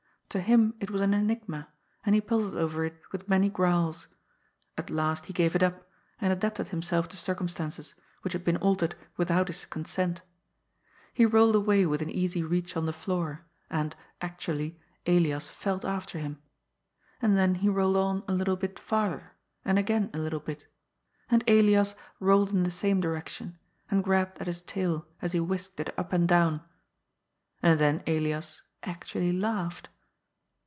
To him it was an enigma, and he puzzled over it with many growls. At last he gave it up, and adapted himself to circumstances, which had been altered without his consent. He rolled away within easy reach on the floor ; and, actually, Elias felt after him. And then he rolled on a little bit farther, and again a little bit ; and Elias rolled in the same direction, and grabbed at his tail as he whisked it up and down. And then Elias actually laughed.